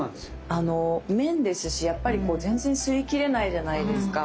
綿ですしやっぱり全然擦り切れないじゃないですか。